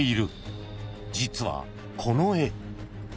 ［実はこの絵］